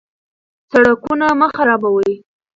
سرکونه مه خرابوئ.